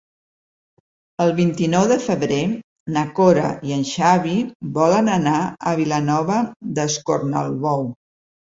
El vint-i-nou de febrer na Cora i en Xavi volen anar a Vilanova d'Escornalbou.